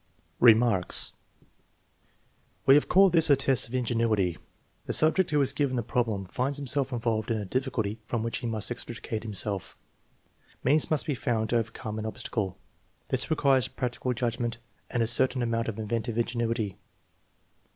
Remarks. We have called this a test of ingenuity. The subject who is given the problem finds himself involved in a difficulty from which he must extricate himself. Means must be found to overcome an obstacle. This requires prac tical judgment and a certain amount of inventive ingenuity.